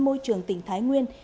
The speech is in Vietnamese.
môi trường tỉnh thái nguyên